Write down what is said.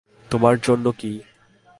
তোমার জন্য কী?